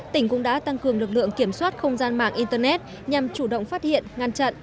tỉnh cũng đã tăng cường lực lượng kiểm soát không gian mạng internet nhằm chủ động phát hiện ngăn chặn